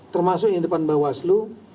termasuk yang depan bawaslu